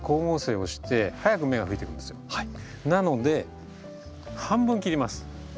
なので半分切ります。